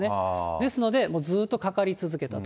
ですので、ずっとかかり続けたと。